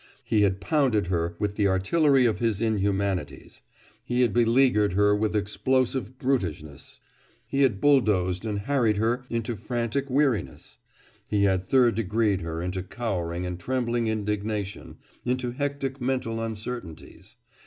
He had pounded her with the artillery of his inhumanities. He had beleaguered her with explosive brutishness. He had bulldozed and harried her into frantic weariness. He had third degreed her into cowering and trembling indignation, into hectic mental uncertainties.